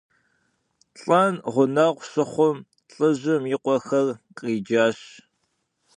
Лӏэн гъунэгъу щыхъум, лӏыжьым и къуэхэр къриджащ.